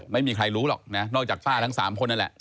ไม่มีใครรู้หรอกนะนอกจากป้าทั้ง๓คนนั่นแหละ